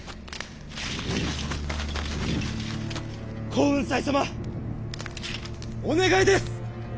耕雲斎様お願いです。